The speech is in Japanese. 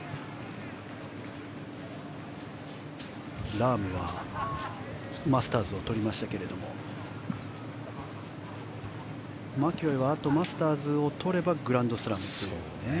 ラームはマスターズをとりましたがマキロイはあとマスターズをとればグランドスラムという。